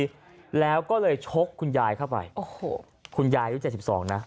แล้วก็เลยชกคุณยายเข้าไปโอ้โหคุณยายอายุเจ็ดสิบสองนะ